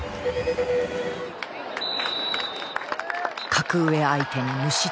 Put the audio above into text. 格上相手に無失点。